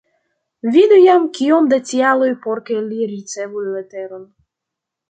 Vidu jam kiom da tialoj por ke li ricevu leteron.